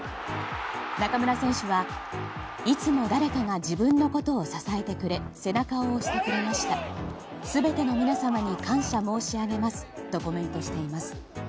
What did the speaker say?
中村選手はいつも誰かが自分のことを支えてくれ背中を押してくれました全ての皆様に感謝申し上げますとコメントしています。